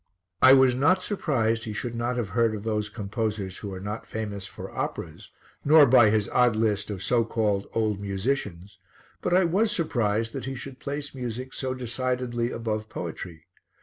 I was not surprised he should not have heard of those composers who are not famous for operas, nor by his odd list of so called old musicians, but I was surprised that he should place music so decidedly above poetry.